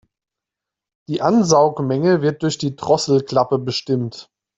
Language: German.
Die Ansaugmenge wird durch die Drosselklappe bestimmt.